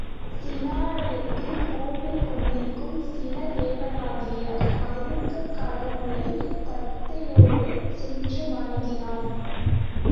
சினாலயத்தில் கோவில் கொண்டிருக்கும் சினதேவனாகிய அருகக் கடவுளைத் தத்தையோடு சென்று வணங்கினான்.